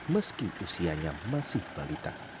meski usianya masih balita